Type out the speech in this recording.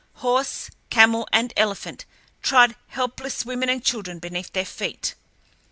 Horse, camel, and elephant trod helpless women and children beneath their feet.